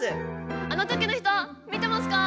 あのときの人見てますか！